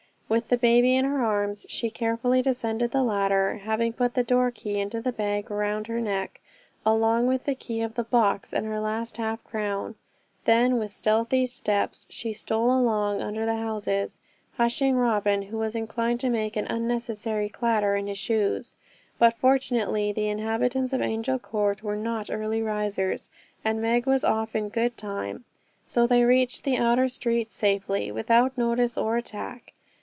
With the baby in her arms she carefully descended the ladder, having put the door key into the bag round her neck along with the key of the box and her last half crown. Then with stealthy steps she stole along under the houses, hushing Robin, who was inclined to make an unnecessary clatter in his shoes; but fortunately the inhabitants of Angel Court were not early risers, and Meg was off in good time, so they reached the outer streets safely, without notice or attack.